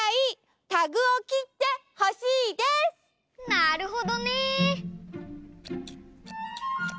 なるほどね！